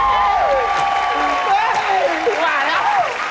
ก้าวมันข้างหน้าเลยครับ